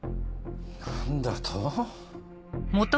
何だと？